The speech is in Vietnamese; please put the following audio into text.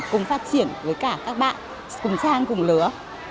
cùng phát triển với cả các bạn cùng trang cùng lứa